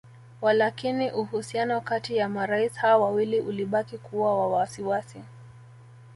Walakini uhusiano kati ya marais hao wawili ulibaki kuwa wa wasiwasi